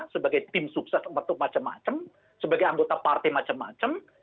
sebagai tim sukses untuk macam macam sebagai anggota partai macam macam